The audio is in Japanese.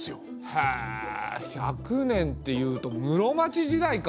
へえ１００年っていうと室町時代か。